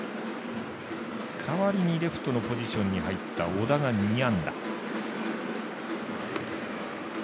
代わりにレフトのポジションに入った小田が２安打。